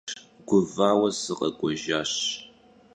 Guvaue sıkhek'uejjaş.